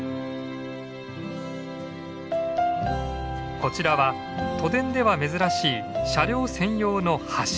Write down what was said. こちらは都電では珍しい車両専用の橋。